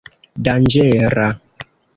danĝera